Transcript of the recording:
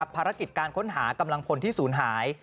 ปารักษณ์การค้นหากำลังพรที่สูญหาย